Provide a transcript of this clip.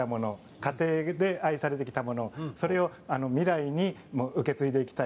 家庭で愛されてきたものそれを未来に受け継いでいきたい